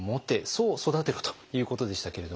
そう育てろということでしたけれども。